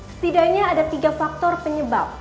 setidaknya ada tiga faktor penyebab